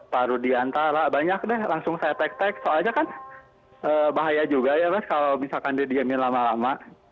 baru di antara banyak deh langsung saya tag tag soalnya kan bahaya juga ya mas kalau misalkan dia diamin lama lama